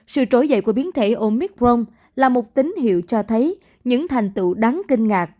sự trỗi dậy của biến thể omicron là một tín hiệu cho thấy những thành tựu đáng kinh ngạc